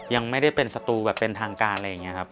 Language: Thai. ยังไม่ได้เป็นสตูแบบเป็นทางการอะไรอย่างนี้ครับ